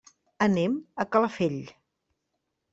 Anem a Calafell.